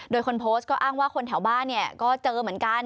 โดยคนโพสต์ก็อ้างว่าคนแถวบ้านเนี่ยก็เจอเหมือนกัน